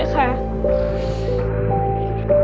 หนูก็ไม่เหมือนยายอีกที